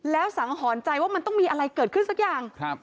แล้วสังหรณ์ใจว่ามันต้องมีอะไรเกิดขึ้นสักอย่าง